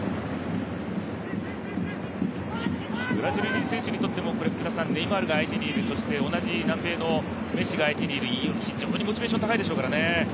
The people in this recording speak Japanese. ブラジルの選手にとってもネイマールが相手にいる、そして同じ南米のメッシが相手にいるとモチベーション高いでしょうからね。